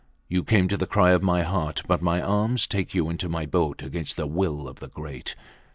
You came to the cry of my heart, but my arms take you into my boat against the will of the great!